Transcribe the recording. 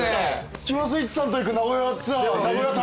スキマスイッチさんと行く名古屋ツアー名古屋旅。